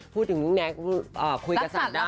พูดถึงแน็กคุยกับสัตว์ได้